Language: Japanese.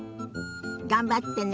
頑張ってね。